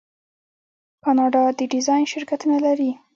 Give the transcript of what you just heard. کاناډا د ډیزاین شرکتونه لري.